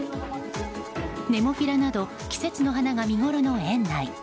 ネモフィラなど季節の花が見ごろの園内。